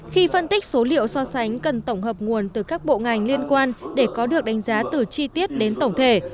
khi phân tích số liệu so sánh cần tổng hợp nguồn từ các bộ ngành liên quan để có được đánh giá từ chi tiết đến tổng thể